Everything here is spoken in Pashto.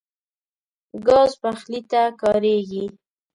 ګاز پخلي ته کارېږي.